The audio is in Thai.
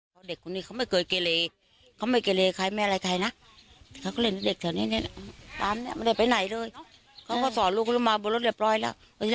โถโฮแต่ขี่รถจากกระยันยนต์ข้ามจังหวะ๔๐๐กว่ากิโลแบบนี้